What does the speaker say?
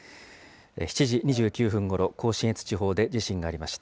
７時２９分ごろ、甲信越地方で地震がありました。